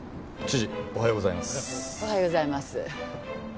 知事おはようございます。